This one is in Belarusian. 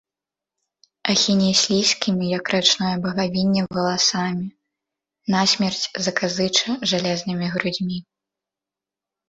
Ахіне слізкімі, як рачное багавінне, валасамі, насмерць заказыча жалезнымі грудзьмі.